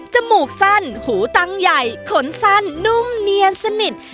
มูกสั้นหูตังใหญ่ขนสั้นนุ่มเนียนสนิท